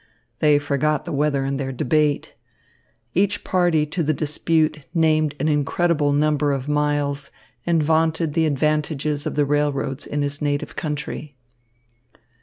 They forgot the weather in their debate. Each party to the dispute named an incredible number of miles and vaunted the advantages of the railroads in his native country.